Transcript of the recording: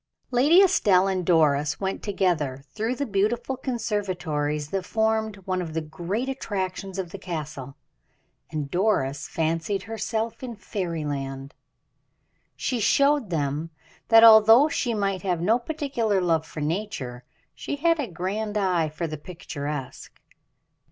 Lady Estelle and Doris went together through the beautiful conservatories that formed one of the great attractions of the Castle, and Doris fancied herself in fairyland. She showed them, that although she might have no particular love for nature, she had a grand eye for the picturesque.